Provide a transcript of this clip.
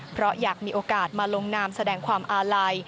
เพราะอยากมีโอกาสมาลงนามแสดงความอาลัย